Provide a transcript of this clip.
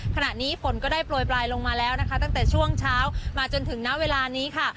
ขณะนี้ฝนก็ได้โปรยปลายลงมาแล้วนะคะตั้งแต่ช่วงเช้ามาจนถึงณเวลานี้ค่ะ